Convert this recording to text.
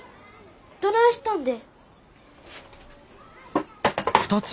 どないしたんで？